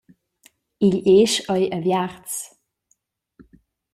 Igl esch ei aviarts.